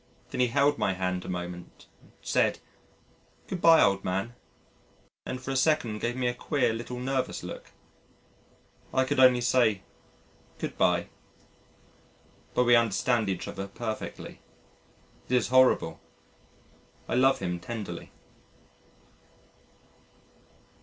Then he held my hand a moment, said "Goodbye, old man," and for a second gave me a queer little nervous look. I could only say "Goodbye," but we understand each other perfectly.... It is horrible. I love him tenderly.